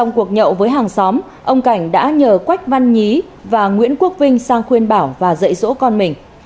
trong cuộc nhậu với hàng xóm ông cảnh đã nhờ quách văn nhí và nguyễn quốc vinh sang khuyên bảo và dạy dỗ con mình